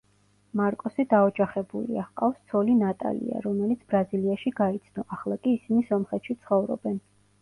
მარკოსი დაოჯახებულია, ჰყავს ცოლი ნატალია, რომელიც ბრაზილიაში გაიცნო, ახლა კი ისინი სომხეთში ცხოვრობენ.